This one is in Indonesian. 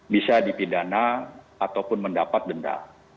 bisa dipidana ataupun mendapat denda